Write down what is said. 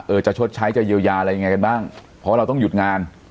จะชดใช้จะเยียวยาอะไรยังไงกันบ้างเพราะเราต้องหยุดงาน